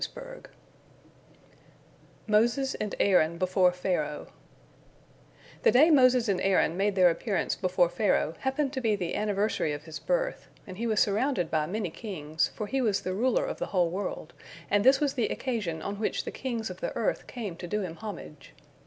MOSES AND AARON BEFORE PHARAOH The day Moses and Aaron made their appearance before Pharaoh happened to be the anniversary of his birth, and he was surrounded by many kings, for he was the ruler of the whole world, and this was the occasion on which the kings of the earth came to do him homage.